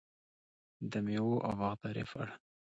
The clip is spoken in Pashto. د میوو او باغدارۍ په اړه: